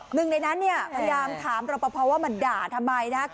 หนึ่งในนั้นเนี่ยคำถามรอบพอว่ามันด่าทำไม